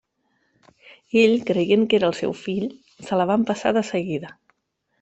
Ell, creient que era el seu fill, se la va empassar de seguida.